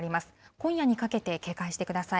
今夜にかけて、警戒してください。